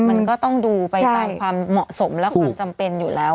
มันก็ต้องดูไปตามความเหมาะสมและความจำเป็นอยู่แล้ว